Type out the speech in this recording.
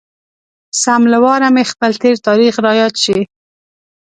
سم له واره مې خپل تېر تاريخ را یاد شي.